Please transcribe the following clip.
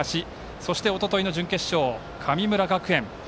そして、おとといの準決勝神村学園。